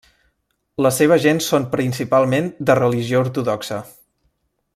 La seva gent són principalment de religió ortodoxa.